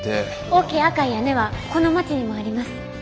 大きい赤い屋根はこの町にもあります。